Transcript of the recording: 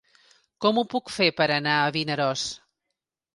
Com ho puc fer per anar a Vinaròs?